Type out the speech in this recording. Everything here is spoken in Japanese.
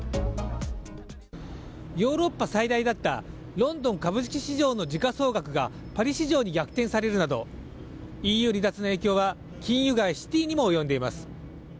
ヨーロッパ最大だったロンドン株式市場の時価総額がパリ市場に逆転されるなどＥＵ離脱の影響は金融街シティーにも及んでいます。